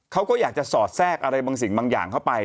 เขาก็อยากจะสอดแทรกอะไรบางสิ่งบางอย่างเข้าไป